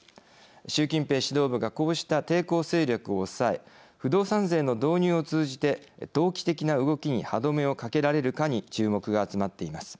習近平指導部がこうした抵抗勢力を抑え不動産税の導入を通じて投機的な動きに歯止めをかけられるかに注目が集まっています。